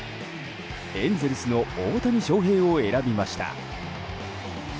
エンゼルスの大谷翔平を選びました。